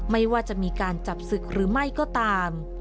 ไม่ว่าจะมีการจับศึกหรือไม่ก็ตาม